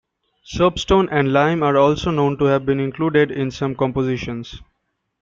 Soapstone and lime are also known to have been included in some compositions.